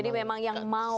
jadi memang yang mau